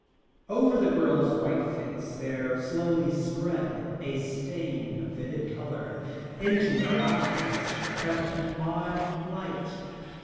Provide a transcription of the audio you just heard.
Over the girl's white face there slowly spread a stain of vivid colour; into her eyes crept an odd light.